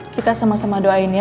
kita sama sama doain ya